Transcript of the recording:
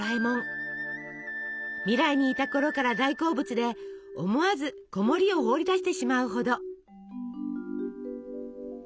未来にいたころから大好物で思わず子守を放り出してしまうほど。